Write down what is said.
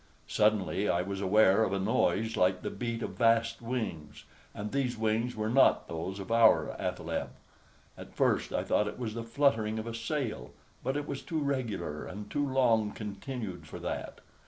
Suddenly I was aware of a noise like the beat of vast wings, and these wings were not those of our athaleb. At first I thought it was the fluttering of a sail, but it was too regular and too long continued for that.